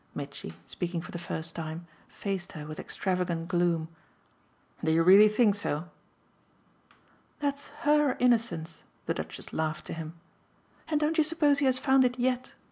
Mitchy, speaking for the first time, faced her with extravagant gloom. "Do you really think so?" "That's HER innocence!" the Duchess laughed to him. "And don't you suppose he has found it YET?"